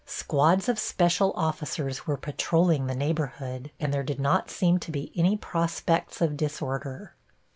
Squads of special officers were patrolling the neighborhood, and there did not seem to be any prospects of disorder.